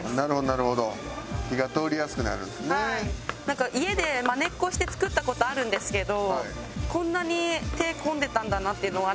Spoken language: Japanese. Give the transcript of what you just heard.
なんか家でまねっこして作った事あるんですけどこんなに手込んでたんだなっていうのを改めて。